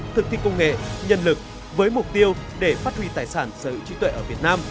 thực thi công nghệ nhân lực với mục tiêu để phát huy tài sản sở hữu trí tuệ ở việt nam